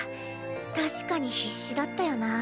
確かに必死だったよなぁ。